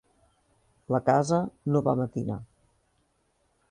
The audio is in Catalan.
La casa no va matinar.